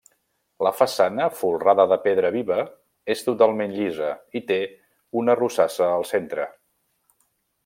La façana, folrada de pedra viva, és totalment llisa i té una rosassa al centre.